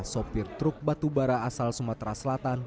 sopir truk batubara asal sumatera selatan